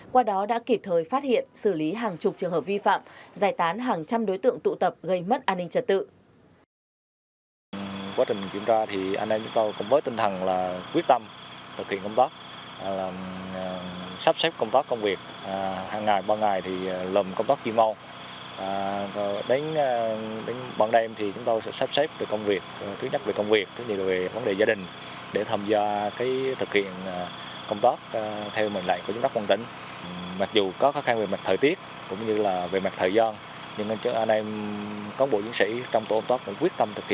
qua đó đã kịp thời phát hiện xử lý hàng chục trường hợp vi phạm giải tán hàng trăm đối tượng tụ tập gây mất an ninh trật tự